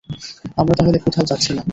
আমরা তাহলে কোথাও যাচ্ছি না।